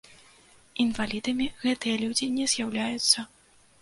Інвалідамі гэтыя людзі не з'яўляюцца.